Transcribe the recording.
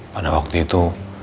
pada waktu itu